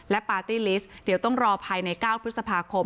ปาร์ตี้ลิสต์เดี๋ยวต้องรอภายใน๙พฤษภาคม